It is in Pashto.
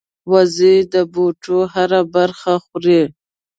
وزې د بوټي هره برخه خوري